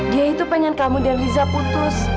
dia itu pengen kamu dan riza putus